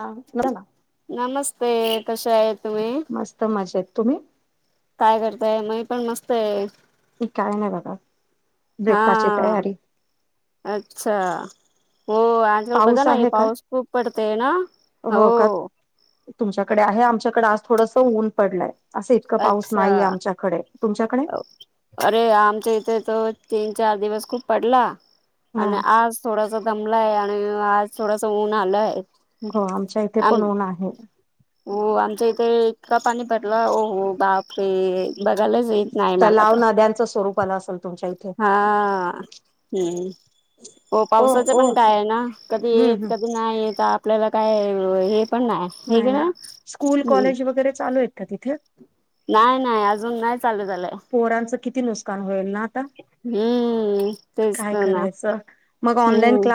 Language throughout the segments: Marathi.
हा बघा ना नमस्ते कसे आहे तुम्ही मस्त मजेत तुम्ही काय करताय मी पण मस्त आहे एक काय नाही बघ हा अच्छा हो बघा पाऊस ना आहे का पाऊस खूप पडतेय ना हो तुमच्याकडे आहे आमच्याकडे आज थोडस ऊन पडलंय असं इतकं पाऊस अच्छा नाहीये आमच्याकडे तुमच्याकडे अरे आमच्या इथे त तीन चार दिवस खूप पडला हा आणि आज थोडस दमलंय आणि आज थोडस ऊन आलं आहे हो आमच्या इथे पण ऊन आहे हो आमच्या इथे इतका पाणी पडला हो हो बाप हे बघायलाच येत नाही मला तलाव तर नद्यांचं स्वरूप आलं असेल तुमच्या इथे हा हम्म हो ओ पावसाच ओ पण काय आहे ना कधी हम्म येत हम्म कधी नाही तर आपल्याला काय हे पण नाही हे नाही का ना स्कूल हम्म कॉलेज वगैरे चालू आहेत का तिथे नाही नाही अजून नाही चालू झालंय पोरांचं किती नुकसान होईल ना हम्म तेच काय तर ना करा हम्म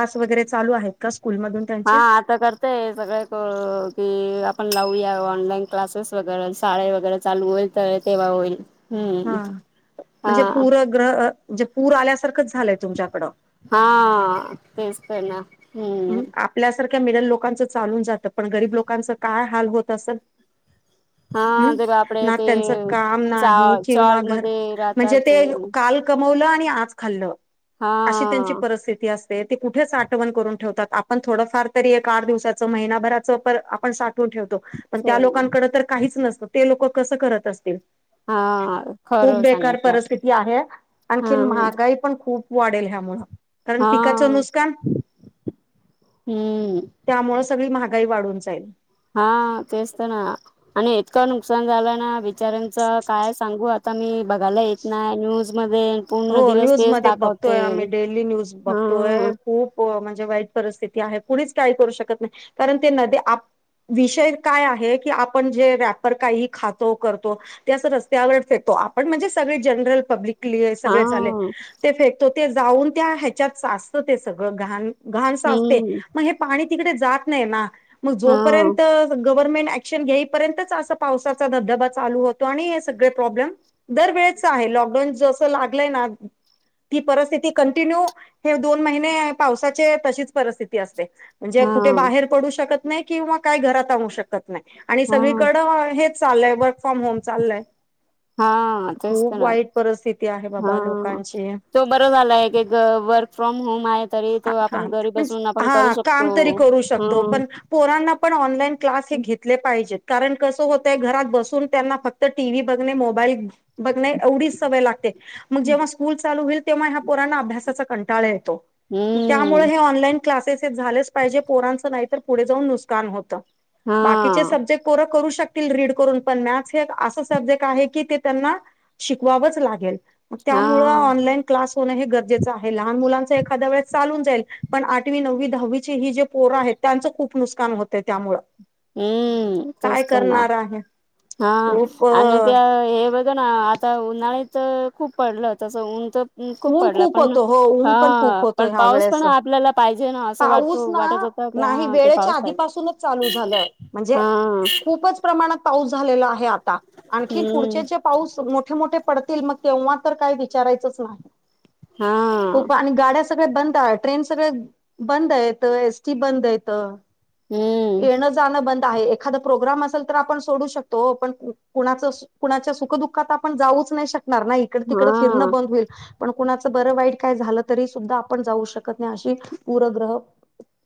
क् स्कूलमधून त्यांचे तर करते आहे सगळेक की आपण लावूया ऑनलाईन क्लासेस वगैरे शाळे वगैरे चालू होईल तर तेव्हा होईल हम्म हा म्हणजे हा पूर म्हणजे पूर आल्यासारखंच झालंय तुमच्याकड हा तेच तर ना हम्म आपल्यासारख्या मिडल लोकांचं चालून जातं पण गरीब लोकांचं काय हाल होत असं हा हम् ते बापडे ना ते त्यांच काम चा नाही चॉल किंवा घर मध्ये राहतात म्हणजे जे ते काल कमवलं आणि आज खाल अशी त्यांची हा परिस्थिती असते कुठे साठवण करून ठवात आपण थोडंफार तरी एक आठ दिवसाच महिनाभराच आपण साठून ठेवत पण त्या लोकांकड तर काहीच नसत ते लोक कसं करत असतील हा खूप खरं बेकार सांगितलं परिस्थिती आहे हा आणखी महागाई पण खूप वाढेल ह्यामुंळ हा हम्म त्यामुळे सगळी महागाई वाढून जाईल हा तेच तर ना आणि इतकं नुकसान झालं ना बिचऱ्यांचं काय सांगूया आता मी बघायला येत नाही न्यूजमध्ये हो... न्यूज मध्ये बघतोय आम्ही... डेली न्यूज हा बघतोय खूप... म्हणजे वाईट परिस्थिती आहे... कुणीच काई करू शकत नाही... कारण ते नदी आप विषय काय आहे की, आपण जे... रॅपर काही खातो... करतो ते असं रस्त्यावर फेकतो... आपण म्हणजे... सगळे जनरल पब्लिकली हा सगळेच आले... ते फेकतो, ते जाऊन... त्या ह्याच्यात साचतं, ते सगळं घाण घाण साचते... हम्म मग हे पाणी तिकडे जात नाही ना... मग हा जोपर्यंत गव्हर्नमेंट ऍक्शन घेईपर्यंतच... असं पावसाचा धबधबा चालू होतो आणि हे सगळे प्रॉब्लेम दरवेेळेच आहे.... लॉकडाऊन जसं लागलंय ना ती परिस्थिती कंटिन्यू... हे दोन महिने पावसाचे... तशीच परिस्थिती असते म्हणजे कुठे हा बाहेर पडू शकत नाई... किंवा काय घरात आणू शकत नाई... आणि हा सगळीकडं हे चाललंय... वर्क फ्रॉम होम चाललय... हा तेच तर खूप ना वाईट परिस्थिती आहे बाबा हा... लोकांची. तो बरं झालाय... एक एक वर्क फ्रॉम होम आहे तरी तो हा... आपण घरी म्हणजे... बसून आपण करू हा, काम शकतो तरी करू शकतो हम्म पण पोरांना पण, ऑनलाईन क्लास हे घेतले पाहिजेत... कारण कसं होतय... घरात बसून त्यांना फक्त तर टी व्ही बघणे... मोबाईल बघणे, एवढीच सवय लागते मग जेव्हा स्कूल चालू होईल... तेव्हा ह्या पोरांना अभ्यासाचा कंटाळा येतो... मग त्यामुळे हम्म हे ऑनलाईन क्लासेस हे झालेच पाहिजे... पोरांचं नाहीतर पुढे जाऊन नुसकान होतं कि जे हा सब्जेक्ट पोरं करू शकतील... रीड करून... पण मॅथ हे एक असा सब्जेक्ट आहे की ते त्यांना शिकवावच लागेल... हा त्यामुळे ऑनलाइन क्लास होणं हे गरजेचं आहे... लहान मुलांच एखा्दया वेळेस चालून जाईल पण आठवी, नववी, दहावीची... ही जे पोरं आहेत, त्यांचं खूप नुसकान होतं त्यामुळं हम्म... काय तेच तर ना... करणार आहे हा खूप आणि त्या... हे... ब हो ना... आता उन्हाळ्यात खूप पडलं... तसं ऊन तर खूप ऊन पडला... पण... होतो हो ऊन पण खूप हा... होतो पण ह्या पाऊस वेळेस पण आपल्याला पाहिजे ना, असं वाटत... पाऊस वाटत ना होतं, की... नाही हा... ते वेळेच्या पाऊस आधीपासूनच चालू पाहिजे झालं म्हणजे... हा खूपच प्रमाणात पाऊस झालेला आहे आता... आणखी हम्म पुढचेचे पाऊस मोठे मोठे पडतील... मग तेव्हा तर काय... विचारायचंच नाही हा खूप... आणि गाड्या सगळ्या बंद आहे... ट्रेन सगळे बंद येत, एस टी बंद येत... हम्म येणं जाणं बंद आहे, एखादा प्रोग्राम असेल तर, आपण सोडू शकतो ओ.. पण कुणाचं सु कुणाच्या सुखदुःखात... आपण जाऊच नाई शकणार नाई इकडं तिकडं हा फिरणं बंद होईल... पण कुणाचं बरं वाईट काय झालं, तरी सुद्धा आपण जाऊ शकत नाही अशी पुूरग्रह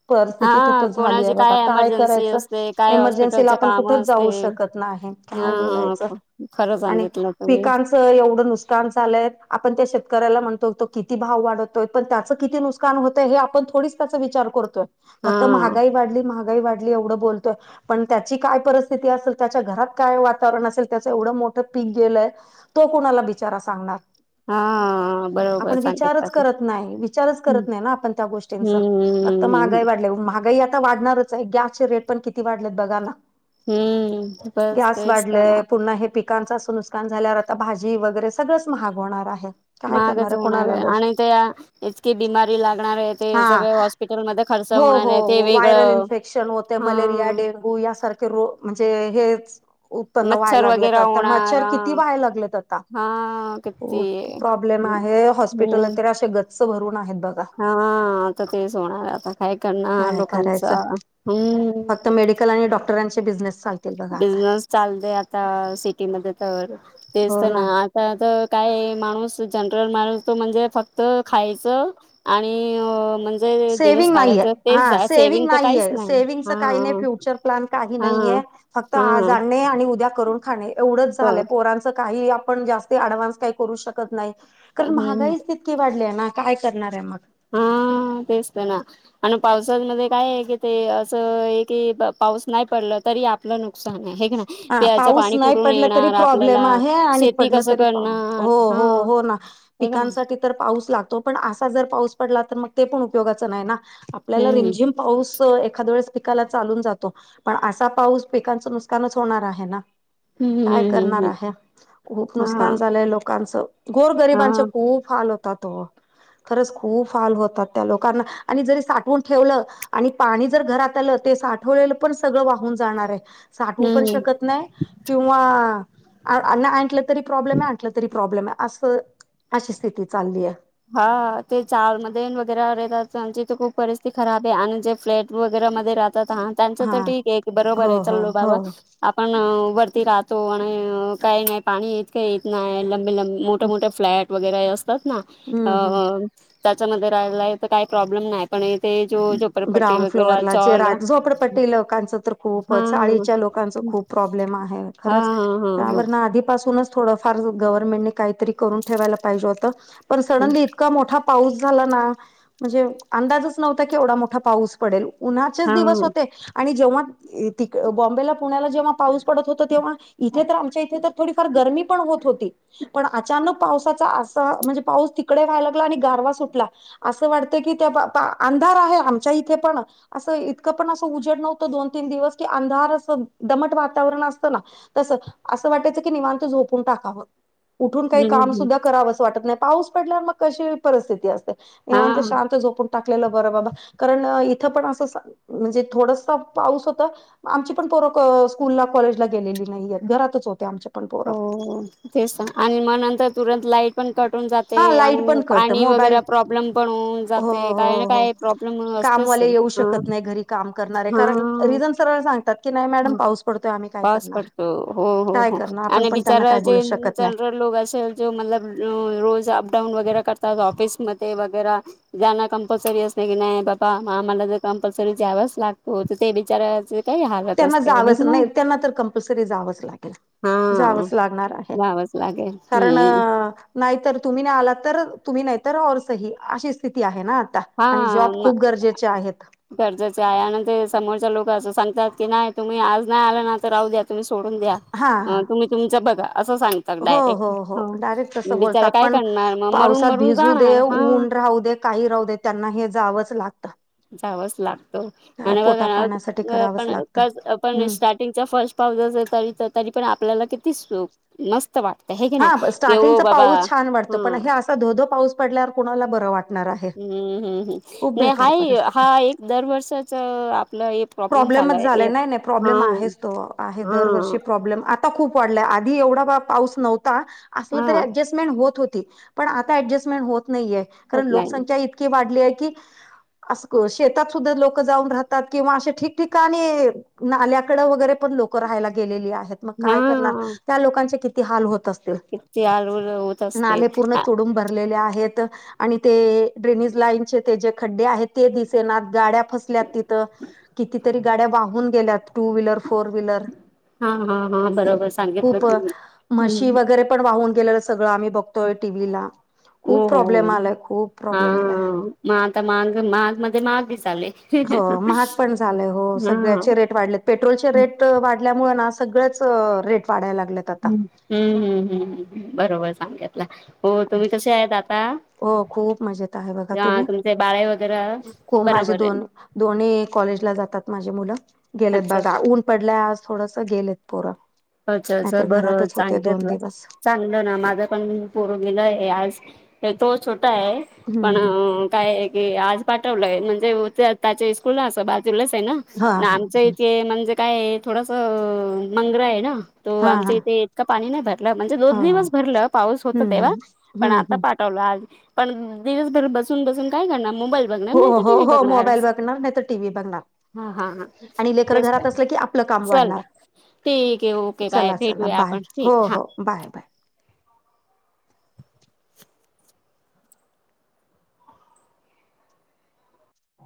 परिस्थिती हा तिथं झाली आहे कोणाची बघा... काय एमर्जन्सी करायचं? असते काय इमर्जन्सीला हॉस्पिटलच आपण काम कुठंच असते जाऊ शकत नाही काय हा बोलायचं खरं आणि सांगितलं तुम्ही पिकांच येवढं नूसकान झालंय... आपण त्या शेतकऱला म्हणतो तो किती भाव वाढतोय पण त्याच किती नूस कान होतंय, हे आपण थोडीच त्याचा विचार करतोय... हा फक्त महागाई वाढली... महागाई वाढली एवढं बोलतोय पण त्याची काय परिस्थिती असेल... त्याच्या घरात काय वातावरण असेल... त्याचं एवढं मोठं पीक गेलंय तो कोणाला बिचारा सांगणार हा बरोबर आपण विचारच सांगितलं करत नाय... विचारच हम्म. करत नाय ना आपण त्या गोष्टी चा... आता हम्म महागई वाढल्या... महागाई आता वाढणारच ए, गॅसचे रेट पण किती वाढलेत बघा ना हम्म बस गॅस तेच तर ना वाढलय... पुन्हा हे पिक पिकां असं नुसकान झाल्यावर... आता भाजी वगैरे सगळंच महाग होणार आहे काय करणार महागच आहे होणार कोणाला ए... दोष आणि त्या... इतकी बिमारी लागणार ए ते हा सगळे हॉस्पिटलमध्ये खर्च हो होणार हो ए... ते हो वेगळं... हा हो... यासारखे रो... म्हणजे हेच उत्पन्न व्हायला मच्छर वगैरे लागलेत आता... होणार मच्छर हा किती व्हायला लागलेत आता... हा, किती हो प्रॉब्लेम हम्म आहे... हॉस्पिटल हम्म तर... असे गच्च भरून आहेत बघा हा... आता तेच होणार... आता काय करणार... काय लोकांचं... हम्म कलानी आणि डॉक्टरांचे बिझनेस चालतील बघा आता बिझनेस चालत आता सिटीमध्ये तर तेच तर ना आ. तर काय माणूस जनरल माणूस तो म्हणजे फक्त खायच. आणि अ म्ह सेव्हंग नाही हा सेव्हंग तर काहीच नाही सेव्हंगच हा काही नाही फ्युचर प्लॅन काही हा नाहीे. फक्त आज हा आणणे आणि उद्या करून खाणे एवढंच झालंय तर पोरांचं काही आपण जास्त. अडव्हान्स काही करू शकत नाही कारण हम्म महागाईच तितकी वाढली ना काय करणार आहे मग. हा तेसत ना. आणि पावसामध्ये काय आहे कि ते असं हे कि पाऊस नाही पडल. तरी आपलं नुकसान आहे हे क नाय हा प्यायाच पाऊस पाणी कुठून येणार आपल्याला शे पडलतरी पा हो हो होना हे का ना पिकांसाठी पण. पाऊस लागतो पण आसा जर पाऊस पडला तर मग ते पण उपयोगाच नाही ना. आपल्याला हम्म रिमझिम पाऊस एखा्दया वेळेस पिकाला चालून जातो पण असा पाऊस पिकांच नस नुकसान होणार आहे ना हम्म काय हम्म हम्म करणार हम्म आहे. खूप हा नुकसान झालंय लोकांचं गोर हा गरिबांचे खूप हाल होतात हो. खरंच खूप हाल होतात त्या लोकांना आणि जरी साठवून ठेवलं. आणि पाणी जर घरात आलं ते साठवलेलं पण सगळं वाहून जाणार आहे. साठवू पण हम्म शकत नाही किंवा अ्ना आणलं. तरी प्रॉब्लेम आहेलं तरी प्रॉब्लेम आहे अस अशी स्थिती चालली आहे. हा ते चाल म वगैरे येतातची तर खूप परिस्थिती खराब आहे आणि जे फ्लॅट. वगैरे म राहतात हा त्यांच तर ठीक आहे बरोबर हो आहे हो चलो हो बाबा. पण उ वरती राहतो आणि काही नाही पाणी येत. इत नाही लंबी लंब मोठ मोठे फ्लॅट वगैरे असतात ना हम्म हम्म अ. त्याच्यामध्ये राहायला लाईफ काही प्रॉब्लेम नाही. पण ते जो झोपरपट्टी ग्राउंड वगैरे फ्लोअरला जे चॉल झोपडपट्टी लोकांच तर खूप. हा चाळीच्या लोकांच खूप प्रॉब्लेम आहे हा खरंच हा हा हा त्यावर ना आधीपासूनच. थोडं फार गव्हर्मेंटने काहीतरी करून ठेवायला पाहिजे होतं पण सडनली. इका मोठा पाऊस झाला ना म्हणजे अंदाजच नव्हता की एवढा मोठा पाऊस पडेल. उन्हाचेच हा दिवस होते आणि जेव्हा ती बॉम्बेला. पुण्याला जेव्हा पाऊस पडत होत तेव्हा इथे तर आमच्या इथे तर थोडीफार गर्मी पण होत होती. पण अचानक. पावसाचा अस म्हणजे पाऊस तिकडे व्हायला लागला आणि गारवा सुटला असं वाटतं की त्या पा त्या. अंधार आहे आमच्या इथे पण. असं इतकं पण असं उजेड नव्हतं दोन तीन दिवस की अंधार असं दमट वातावरण असतं ना. तसं असं वाटायचं की निवांत झोपून टाकावं. उठून काही हम्म काम हम्म सुद्धा करावं असं वाटत नाही पाऊस पडल्यावर मग कशी परिस्थिती असते. निवत हा शांत झोपून. उठलेलं बर बाबा कारण इथं पण असं म्हणजे थोडसा पाऊस होता. आमची पण पोरक स्कूलला कॉलेजला गेलेली नाहीय घरातच होते आमच्या पण पोरक. हो तेच आणि मगंतर तुरंत लाईट. पण कटून जाते हा लाईट आणि पण कट पाणी मोबाईल वगैरे प्रॉब्लेम पण होऊन. हो जाते काही ना हो काही प्रॉब्लेम असतेच कामवाले येऊ शकत नाही घरी काम करणारे कारण हा रिजन. सरळ सगतात की नाही मॅम हा पाऊस पडतो आम्ही काय. पाऊस करणार पडतो हो काय हो करणार आपण आणि पण त्यांना बिचारा काय बोलू जे शकत नाही जनरल. लोक असेल जो मल रोज अप डाऊन वगैरे करतात ऑफिसमध्ये वगैरे. जाणं कंपल्सरी असल की नाही बाबा आम्हाला जर कंपल्सरी जा्यावच लागतो तर ते बिचाराचे. काही हालत त्यांना असते हे जावच की नाही त्यांना तर कंपल्सरी जावंच लागेल. हा जावंच लागणार आहे जावंच लागेल कारण. हम्म नाहीतर तुम्ही नाही आला तर तुम्ही नाहीतर और सही अशी स्थिती आहे ना आता. हा आणि जॉब म. खूप गरजेचे आहेत गरजेचे आहे आणि नंतर समोरच्या लोक असं सांगतात की नाही तुम्ही आज नाही आला ना तर राहू द्या तुम्ही सोडून द्या. हा हा तुम्ही तुमचं बघा असं सांगता. हो हो हो डायरेक्ट तसं बोलतात काय पण करणार मग मरून पावसात मरून भिजू दे जाणार हा ऊन राहू दे. काही राह दे त्यांना हे जावंच लागत. जावच लागतो आणि पाण्यासाठी बघा करावंच पण लागतं. आपण हम्म सार्ट च्या फर्स्ट पाव त तरी पण आपल्याला किती चूख मस्त वाटत हेग ना हा येव स्टार्टिंगचा बाबा पाऊस छान वाटतो पण हम. हे असा धोधो पाऊस पडल्यावर कुणाला बरं वाटणार आहे. हम्म हम्म हम् खूप नाही बेकार हाय. हा परिस्थिती एक दरवर्षच आपलं हे प्रॉब्लेम प्रॉब्लेमच झालाय नाही नाही हा. प्रॉब्लेम आहेच तो आहे हा दरवर्षी खप आव पा नव्ह अस. हा. हो हो पण आता डजस्टमेंट होत नाहीे होत कारण नाही लोकसंख्या इतकी वाढली आहे की अस शेतात सुद्धा लोक जाऊन राहतात किंवा असे ठिकठिकाणी नाल्याकड वगैरे पण लोक राहायला गेलेली आहेत मग हा काय करणार त्या लोकांचे किती हाल होत असत. किती आलूल होत असते नाले पूर्ण हा तोडून बर. आहेत आणि ते ्रेनेज लाईन जे खड्डे आहेत ते दि गाड्या तिथ कितीतरी गाड्या वाहून गेल्या टू व्हीलर फोर व्हीलर हा हा बरोबर सांगितलं खूप तुम्ही? म्हशी हम्म वगैरे पण वाहून गेलेलं सगळं आम्ही बघतोय टीव्हीला हो खूप हो प्रॉब्लेम हो आलाय खूप हा प्रॉब्लेम आलाय. मग आता माग माघ मध्ये मागे झाले. हो महाग पण झालंय हो सगळ्याचे रेट वाढले. पेट्रोलचे रेट वाढल्यामुळेळं ना सगळच रेट वाढायला लागलेत. आता हम्म हम्म हम्् बरोबर सांगला हो तुम्ही कसे आहेत आता हो खूप मजेत आहे बघा हा तुम्ही तुमचे बाळे वगैरे ख माझे बरोबर दोन आहे दोन्ही कॉलेजला जातात माझे मुलं गेलेत अच्छा बघा ऊन पडल्या आज थोडस गेलेत पोरं. अच्छा अच्छा नाहीतर बरं घरातच होते दोन चांगतेला. दिवस चांगलं ना माझं पण पोर गेलं आहे आज हे तो छोटा आहे पण हम्म हम्म काय आहे की आज पाठवलंय म्हणजे त्याच्या स्स्कूलला असं बाजूलाच आहे ना. ना हा हा आमच इथे म्हणजे काय थोडस मंगर आहे ना तो हा हा. आमच्या इथे का पाणी नाही भरलं म्हणजे हा दोन दिवस भरलं पाऊस होत हम्म तेव्हा हम्म पण हम्म आता हम्म. प दिवसभर बसून बस काय कर मोईल हो हो हो मोबाईल बघणार नाही तर टी व्ही बघणार. हा हा हा आणि लेकर तेच घरात असलं की आपलं काम चल वाढणार ठीक आहे ओके. बाय चला चला भेटूया बाय आपण ठीक हो हा हो बाय बाय.